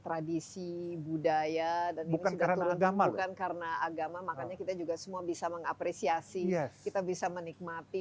tradisi budaya dan ini sudah bukan karena agama makanya kita juga semua bisa mengapresiasi kita bisa menikmati